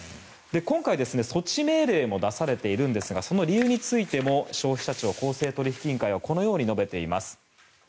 今回、措置命令も出されているんですがその理由についても消費者庁公正取引委員会はこのように述べています。